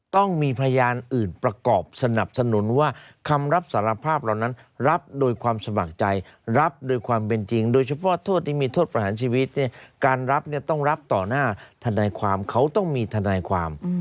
ต้องมีพยานอื่นประกอบสนับสนุนว่าคำรับสารภาพเหล่านั้นรับโดยความสมัครใจรับโดยความเป็นจริงโดยเฉพาะโทษที่มีโทษประหารชีวิตเนี่ยการรับเนี่ยต้องรับต่อหน้าทนายความเขาต้องมีทนายความ